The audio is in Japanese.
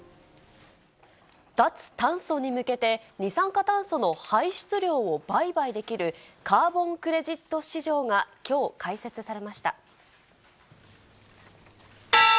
脱炭素に向けて、二酸化炭素の排出量を売買できるカーボン・クレジット市場がきょう開設されました。